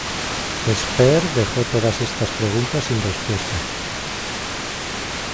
Speer dejó todas estas preguntas sin respuesta.